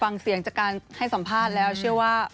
ฟังเสียงจากการให้สัมภาษณ์แล้วเชื่อว่า